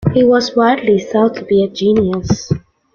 He was widely thought to be a genius.